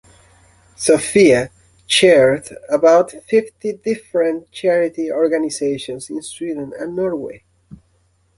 Sophia chaired about fifty different charity organisations in Sweden and Norway.